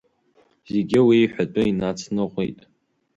Зегьы уи иҳәатәы инацныҟәеит.